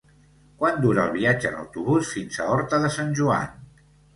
Quant dura el viatge en autobús fins a Horta de Sant Joan?